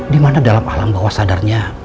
dimana dalam alam bawah sadarnya